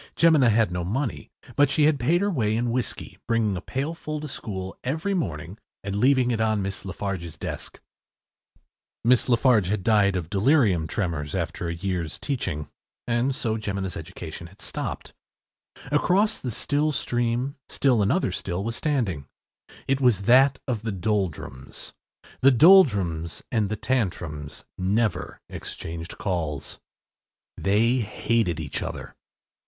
Jemina had no money, but she had paid her way in whiskey, bringing a pailful to school every morning and leaving it on Miss Lafarge’s desk. Miss Lafarge had died of delirium tremens after a year’s teaching, and so Jemina’s education had stopped. Across the still stream, still another still was standing. It was that of the Doldrums. The Doldrums and the Tantrums never exchanged calls. They hated each other.